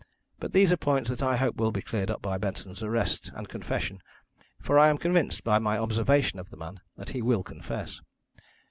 But these are points that I hope will be cleared up by Benson's arrest, and confession, for I am convinced, by my observation of the man, that he will confess.